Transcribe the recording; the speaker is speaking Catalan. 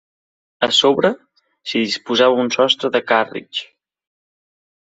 A sobre, s'hi disposava un sostre de càrritx.